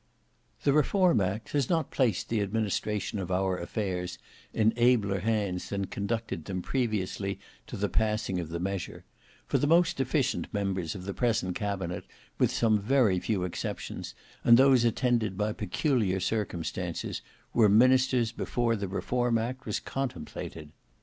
The Reform Act has not placed the administration of our affairs in abler hands than conducted them previously to the passing of the measure, for the most efficient members of the present cabinet with some very few exceptions, and those attended by peculiar circumstances, were ministers before the Reform Act was contemplated.